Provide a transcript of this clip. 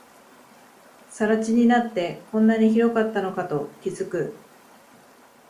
更地になって、こんなに広かったのかと気づく